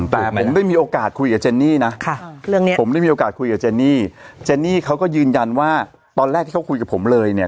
แต่ผมได้มีโอกาสคุยกับเจนนี่นะผมได้มีโอกาสคุยกับเจนนี่เจนนี่เขาก็ยืนยันว่าตอนแรกที่เขาคุยกับผมเลยเนี่ย